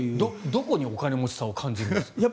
どこにお金持ちさを感じるんですか？